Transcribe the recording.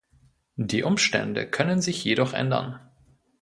Die Umstände können sich jedoch ändern.